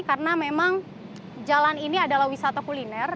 karena memang jalan ini adalah wisata kuliner